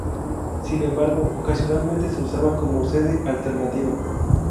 Sin embargo, ocasionalmente se usaba como sede alternativa.